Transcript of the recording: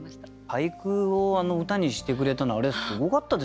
俳句を歌にしてくれたのあれはすごかったですよね。